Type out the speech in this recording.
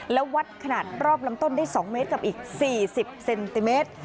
และวัดขนาดรอบลำต้นได้๒เมตรกับอีก๔๐เซนติเมตร